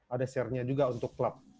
ada share nya juga untuk klub